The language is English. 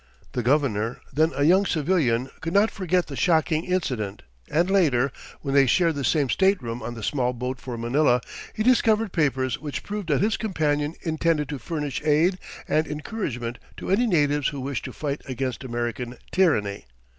The Governor, then a young civilian, could not forget the shocking incident and later, when they shared the same stateroom on the small boat for Manila, he discovered papers which proved that his companion intended to furnish aid and encouragement to any natives who wished to fight against American "tyranny."